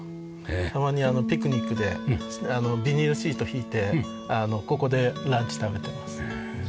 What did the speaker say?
たまにピクニックでビニールシート敷いてここでランチ食べてます。